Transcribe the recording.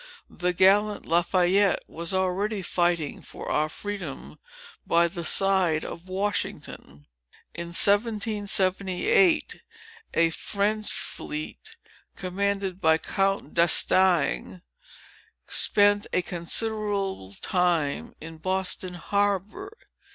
The gallant Lafayette was already fighting for our freedom, by the side of Washington. In 1778, a French fleet, commanded by Count d'Estaing, spent a considerable time in Boston Harbor.